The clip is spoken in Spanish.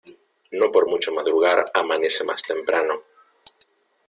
No por mucho madrugar amanece más temprano.